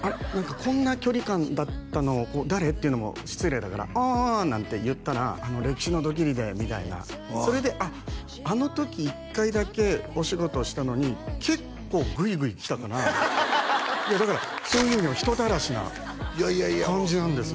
こんな距離感だったのを誰？って言うのも失礼だからああああなんて言ったら「歴史にドキリ」でみたいなそれであっあの時一回だけお仕事したのに結構ぐいぐい来たからいやだからそういうね人たらしな感じなんですよ